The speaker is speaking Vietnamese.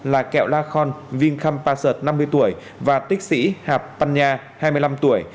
là kẹo la khon vinh kham passer năm mươi tuổi và tích sĩ hạp pan nha hai mươi năm tuổi